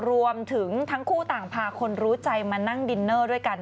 รวมถึงทั้งคู่ต่างพาคนรู้ใจมานั่งดินเนอร์ด้วยกัน